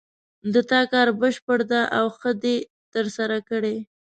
د تا کار بشپړ ده او ښه د ترسره کړې